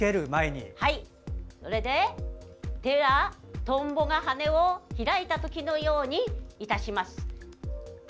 それで、手はトンボが羽を開いたときのようにいたします。